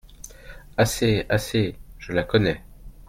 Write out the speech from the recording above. Assez, assez, je la connais…